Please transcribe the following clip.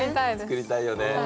作りたいよね。